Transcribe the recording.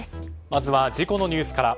まずは事故のニュースから。